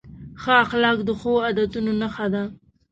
ښه اخلاق د ښو عادتونو نښه ده.